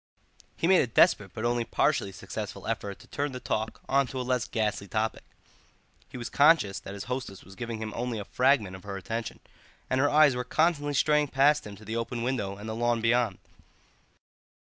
He made a desperate but only partially successful effort to turn the talk on to a less ghastly topic; he was conscious that his hostess was giving him only a fragment of her attention, and her eyes were constantly straying past him to the open window and the lawn beyond.